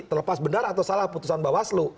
terlepas benar atau salah putusan mbak waslu